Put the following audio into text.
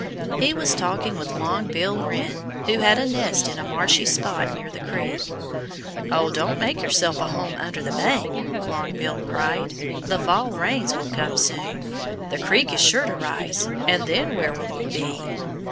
He was talking with Long Bill Wren, who had a nest in a marshy spot near the creek. "Oh, don't make yourself a home under the bank!" Long Bill cried. "The fall rains will come soon. The creek is sure to rise. And then where will you be?"